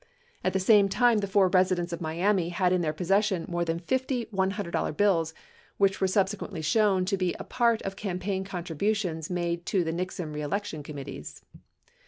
At the same time, the four residents of Miami had in their possession more than fifty $100 bills which were subsequently shown to be a part of campaign contributions made to the Nixon reelection committees.